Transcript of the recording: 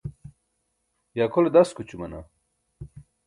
ye akʰole daskućumana?